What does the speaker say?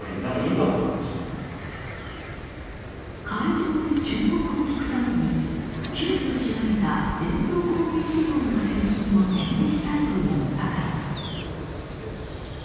会場で注目を引くために、急きょ仕上げた伝統工芸仕様の製品を展示したいという酒井さん。